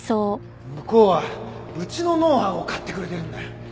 向こうはうちのノウハウを買ってくれてるんだよ。